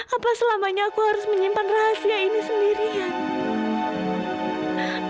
apa selamanya aku harus menyimpan rahasia ini sendirian